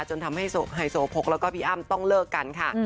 จนทำให้ไฮโซโพกแล้วก็พี่อ้ำต้องเลิกกันค่ะ